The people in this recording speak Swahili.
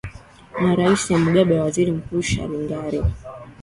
ya rais mugabe na waziri mkuu shangirai